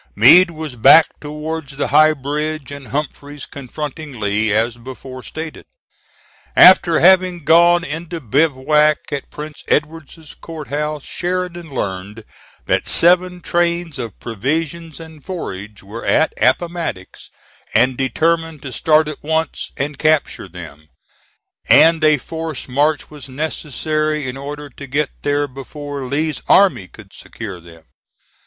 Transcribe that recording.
Meade was back towards the High Bridge, and Humphreys confronting Lee as before stated. After having gone into bivouac at Prince Edward's Court House, Sheridan learned that seven trains of provisions and forage were at Appomattox, and determined to start at once and capture them; and a forced march was necessary in order to get there before Lee's army could secure them.